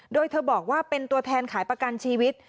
โดยเธอบอกว่าเป็นตัวแทนขายประกันชีวิต